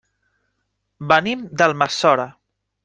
Venim d'Almassora.